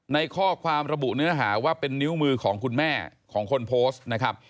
ในข้อความระบุเนื้อหาว่าเป็นนิ้วมือของคุณแม่ของคนโพสต์นะครับ